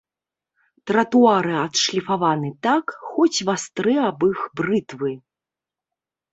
Тратуары адшліфаваны так, хоць вастры аб іх брытвы.